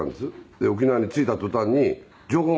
で沖縄に着いた途端に情報が流れてきて。